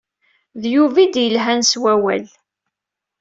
D Yuba i d-yelhan s wawal.